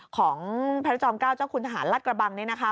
ของพระราชอม๙จ้างคุณทหารรัฐกระบังนี้นะคะ